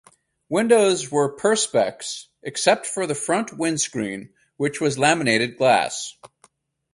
Windows were perspex except for the front windscreen which was laminated glass.